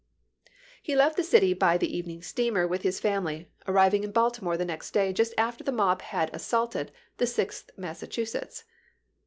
He left the city by the evening steamer with his family, arriving in Baltimore the next day just after the mob had assaulted the Sixth Massachusetts.